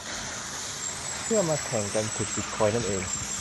เพื่อมาแข่งกันขุดบิตคอยน์นั่นเอง